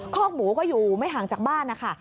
คอกหมูก็อยู่ไม่ห่างจากบ้านนะคะ